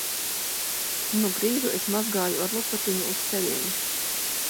Nu grīdu es mazgāju ar lupatiņu uz ceļiem.